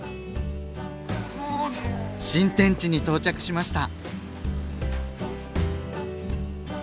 新天地に到着しました！